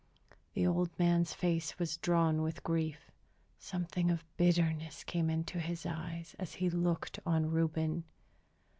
The old man's face was drawn with his grief. Something of bitterness came into his eyes as he looked on Reuben.